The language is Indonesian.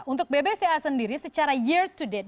untuk bbca sendiri secara year to date